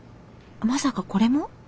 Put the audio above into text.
まさかこれも？